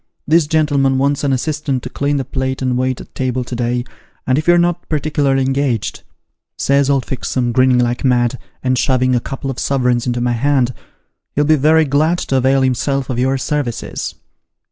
This gentleman wants an assistant to clean the plate and wait at table to day, and if you're not particu larly engaged,' says old Fixem, grinning like mad, and shoving a couple of suverins into my hand, ' he'll be very glad to avail himself of your services.'